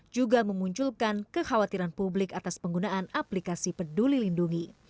juga memunculkan kekhawatiran publik atas penggunaan aplikasi peduli lindungi